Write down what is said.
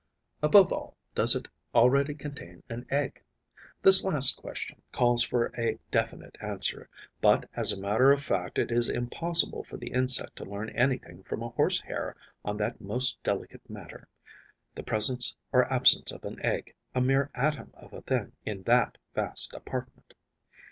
Above all, does it already contain an egg? This last question calls for a definite answer, but as a matter of fact it is impossible for the insect to learn anything from a horse hair on that most delicate matter, the presence or absence of an egg, a mere atom of a thing, in that vast apartment.